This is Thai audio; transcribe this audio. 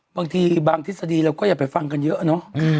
บางที่บางฤทธิษฎีเราก็อยากไปฟังกันเยอะน้อ